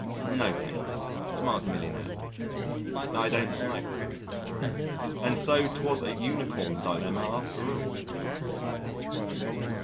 "No, thanks!" smiled the millionaire, "I don't smoke." And so, 'twas a unicorn dilemma after all.